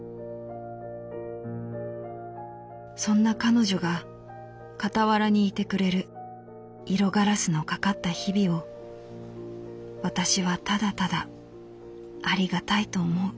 「そんな彼女がかたわらにいてくれる色ガラスのかかった日々を私はただただありがたいと思う」。